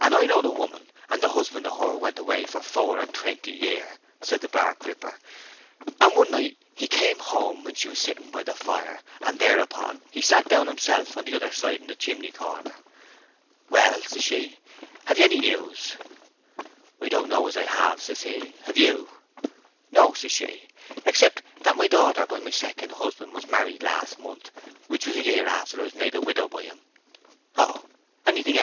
"And I knowed a woman, and the husband o' her went away for four and twenty year," said the bark ripper. "And one night he came home when she was sitting by the fire, and thereupon he sat down himself on the other side of the chimney corner. 'Well,' says she, 'have ye got any news?' 'Don't know as I have,' says he; 'have you?' 'No,' says she, 'except that my daughter by my second husband was married last month, which was a year after I was made a widow by him.' 'Oh! Anything else?